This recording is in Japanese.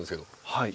はい。